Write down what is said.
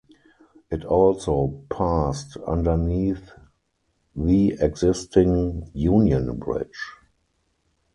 It also passed underneath the existing Union Bridge.